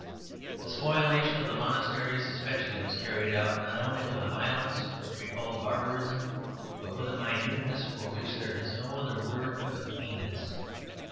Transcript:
The spoliation of the monasteries especially was carried out, not only with a violence which recalled barbarism, but with a minuteness for which there is no other word but meanness.